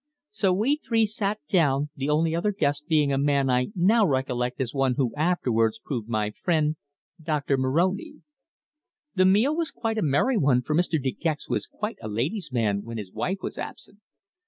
So we three sat down, the only other guest being a man I now recollect as one who afterwards proved my friend, Doctor Moroni. "The meal was quite a merry one for Mr. De Gex was quite a lady's man when his wife was absent.